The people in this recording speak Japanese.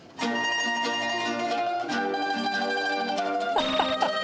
ハハハハ！